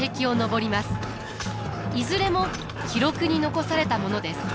いずれも記録に残されたものです。